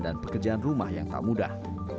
dan pekerjaan rumah yang tak mudah